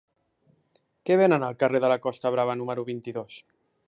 Què venen al carrer de la Costa Brava número vint-i-dos?